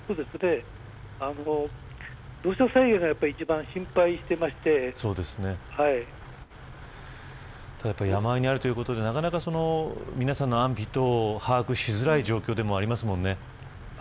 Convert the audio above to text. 土砂災害が一番心配していましてただ、やっぱり山あいにあるということでなかなか皆さんの安否等把握しづらい状況でもありますね。